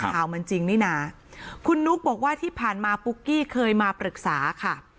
ข่าวมันจริงนี่นะคุณนุ๊กบอกว่าที่ผ่านมาปุ๊กกี้เคยมาปรึกษาค่ะ